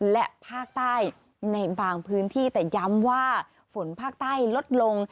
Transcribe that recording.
และภาคใต้ในบางพื้นที่แต่ย้ำว่าฝนภาคใต้ลดลง